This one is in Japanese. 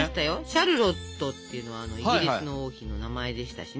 シャルロットっていうのはイギリスの王妃の名前でしたしね。